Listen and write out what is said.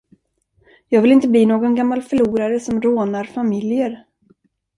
Jag vill inte bli någon gammal förlorare som rånar familjer.